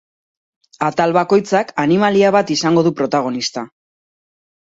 Atal bakoitzak animalia bat izango du protagonista.